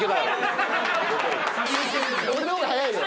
俺の方が早いのよ。